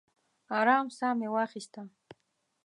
ارام ساه مې واخیسته.